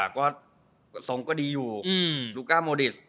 ก็ทรงก็ดีอยู่ลูกก้าโมดิส